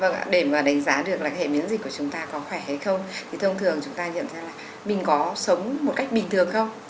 vâng ạ để mà đánh giá được là hệ miễn dịch của chúng ta có khỏe hay không thì thông thường chúng ta nhận ra là mình có sống một cách bình thường không